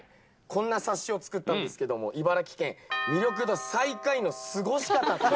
こんな冊子を作ったんですけども、茨城県魅力度最下位の過ごし方って。